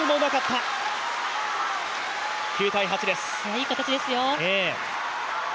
いい形ですよ。